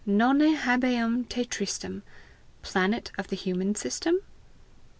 Nonne habeam te tristem, Planet of the human system?